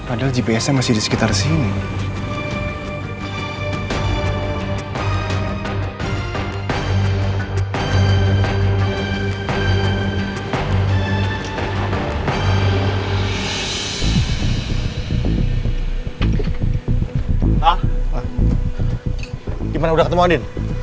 ada di sekitar sini